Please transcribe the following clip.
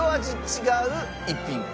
違う一品。